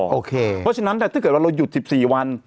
โอเคเพราะฉะนั้นถ้าเกิดว่าเราหยุด๑๔วัน